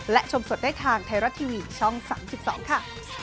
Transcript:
และชมสดได้ทางไทยรัฐทีวีช่อง๓๒ค่ะ